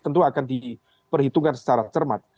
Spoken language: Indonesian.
tentu akan diperhitungkan secara cermat